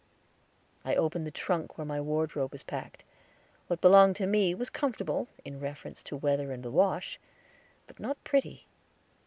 I opened the trunk where my wardrobe was packed; what belonged to me was comfortable, in reference to weather and the wash, but not pretty.